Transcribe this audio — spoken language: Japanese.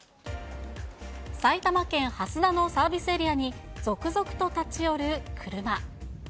埼玉県蓮田のサービスエリアに続々と立ち寄る車。